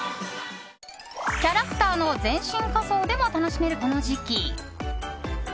キャラクターの全身仮装でも楽しめる、この時期。